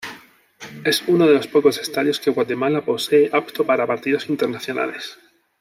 Es uno de los pocos estadios que Guatemala posee apto para partidos internacionales.